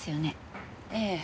ええ。